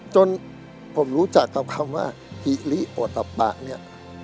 จนผมรู้จักกับคำว่าฮิลิโอตปะ